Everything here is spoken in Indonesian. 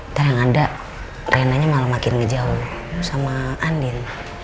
ntar yang ada renanya malah makin ngejauh sama andin